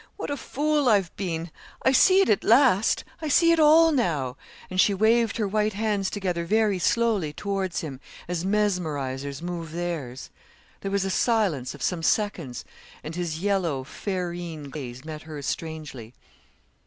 'What a fool I've been. I see it at last; I see it all now,' and she waved her white hands together very slowly towards him, as mesmerisers move theirs. There was a silence of some seconds, and his yellow ferine gaze met hers strangely.